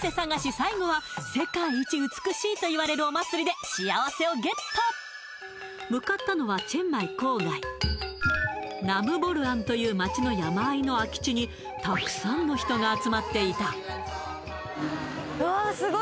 最後は向かったのはチェンマイ郊外という街の山あいの空き地にたくさんの人が集まっていたうわ